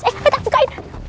mas eh eh tak bukain